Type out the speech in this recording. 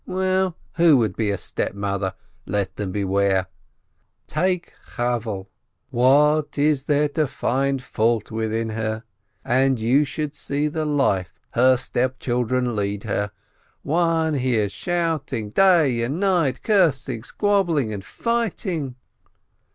Well, who would be a stepmother? Let them beware! Take Chavvehle ! What is there to find fault with in her ? And you should see the life her stepchildren lead her ! One hears shouting day and night, cursing, squabbling, and fighting."